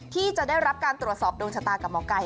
ที่จะได้รับการตรวจสอบดวงชะตากับหมอไก่